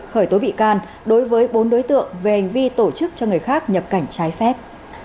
khởi tố bị can đối với bốn đối tượng về hành vi tổ chức cho người khác nhập cảnh trái phép